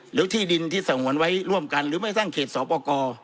หรือที่ดินที่สงวนไว้ร่วมกันหรือไม่สร้างเขตสอบประกอบ